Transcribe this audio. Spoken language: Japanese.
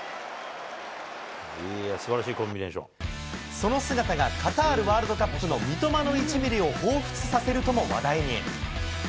その姿が、カタールワールドカップの三笘の１ミリをほうふつさせるとも話題に。